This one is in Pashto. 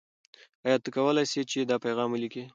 آیا ته کولای سې چې دا پیغام ولیکې؟